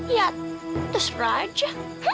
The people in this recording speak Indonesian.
ya terus raja